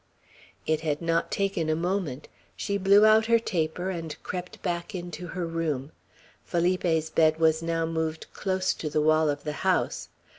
It had not taken a moment. She blew out her taper, and crept back into her room. Felipe's bed was now moved close to the wall of the house.